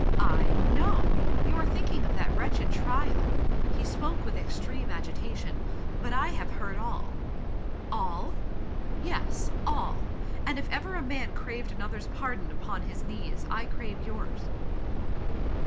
" I ? No ! You are thinking of that wretched trial!" He spoke with extreme agitation. " But I have heard all." "Yes! AIL And if ever a man craved another's pardon upon his knees, I crave yours."